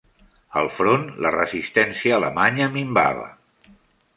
Al front, la resistència alemanya minvava.